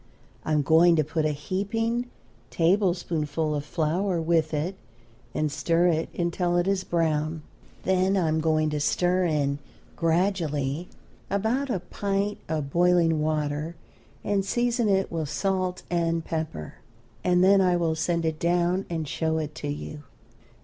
I am going to put a heaping tablespoonful of flour with it and stir until it is brown; then I am going to stir in gradually about a pint of boiling water, and season it with salt and pepper, and then I will send it down and show it to you.